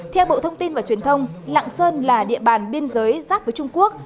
theo bộ thông tin và truyền thông lạc sơn là địa bàn biên giới giác với trung quốc